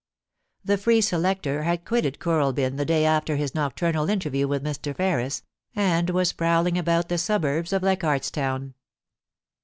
The free selector had quitted Kooralbyn the day after his nocturnal interview with Mr. Ferris, and was prowling about the suburbs of Leichardt^s Town.